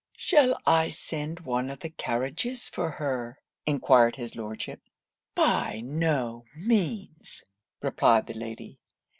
'Shall I send one of the carriages for her?' enquired his Lordship. 'By no means,' replied the Lady.